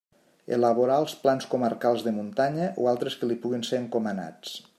Elaborar els plans comarcals de muntanya o altres que li puguin ser encomanats.